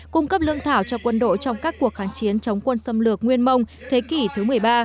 cung cấp lương thảo cho quân đội trong các cuộc kháng chiến chống quân xâm lược nguyên mông thế kỷ thứ một mươi ba